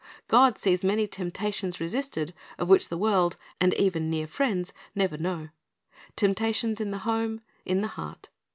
God sees many temptations resisted of which the world, and even near friends, never know, — temptations in the home, in the heart.